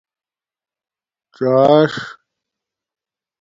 څݳݽ